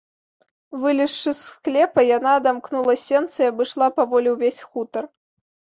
Вылезшы з склепа, яна адамкнула сенцы і абышла паволі ўвесь хутар.